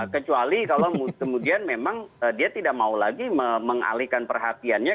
kecuali kalau kemudian memang dia tidak mau lagi mengalihkan perhatiannya